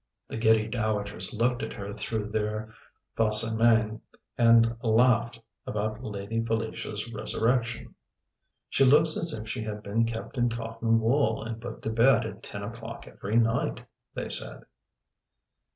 The giddy dowagers looked at her through their face à main, and laughed about Lady Felicia's "resurrection." "She looks as if she had been kept in cotton wool and put to bed at ten o'clock every night," they said.